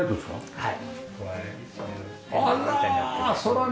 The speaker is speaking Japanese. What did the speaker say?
はい。